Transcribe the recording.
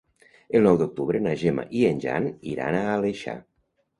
El nou d'octubre na Gemma i en Jan iran a l'Aleixar.